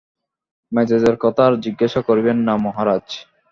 মেজাজের কথা আর জিজ্ঞাসা করিবেন না, মহারাজ।